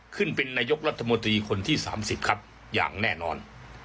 ขึ้นเป็นนายกรัฐมนตรีคนที่๓๐ครับอย่างแน่นอน